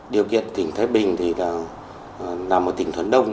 điều kiện tỉnh thái bình là một tỉnh thuần đông